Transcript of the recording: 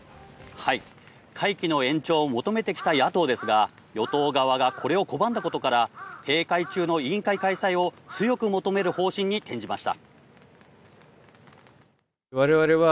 会期の延長を求めてきた野党ですが、与党側がこれを拒んだことから閉会中の委員会開催を強く求める方針に転じました。